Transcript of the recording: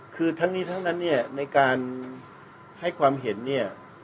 คือทั้งนี้ทั้งนั้นเนี่ยในการให้ความเห็นเนี่ย